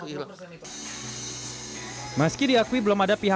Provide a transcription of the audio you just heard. meski diakui belum ada pihak pihak yang menawarkan kendaraan bekas pasca banyaknya